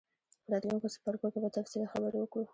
په راتلونکو څپرکو کې به تفصیلي خبرې وکړو.